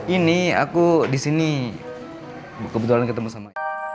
ini aku disini kebetulan ketemu sama